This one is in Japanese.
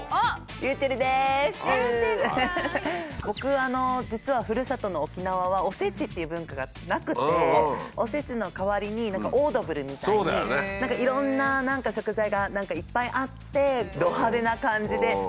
僕実はふるさとの沖縄はおせちっていう文化がなくておせちの代わりに何かオードブルみたいにいろんな食材が何かいっぱいあってど派手な感じで。